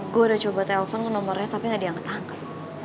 gue udah coba telfon ke nomornya tapi gak ada yang ngetangkep